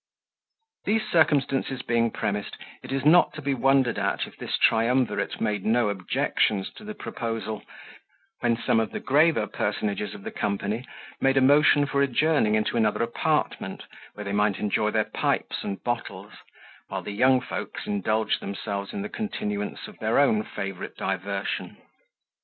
These circumstances being premised, it is not to be wondered at, if this triumvirate made no objections to the proposal, when some of the graver personages of the company made a motion for adjourning into another apartment, where they might enjoy their pipes and bottles, while the young folks indulged themselves in the continuance of their own favourite diversion.